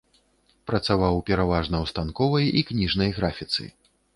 Працаваў пераважна ў станковай і кніжнай графіцы.